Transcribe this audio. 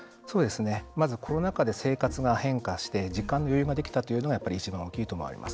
コロナ禍で生活が変化して時間に余裕ができたということがやっぱり一番大きいと思われます。